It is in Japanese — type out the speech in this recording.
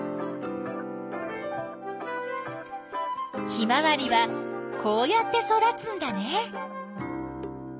ヒマワリはこうやって育つんだね。